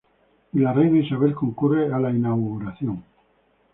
Y la reina Isabel concurre a la inauguración.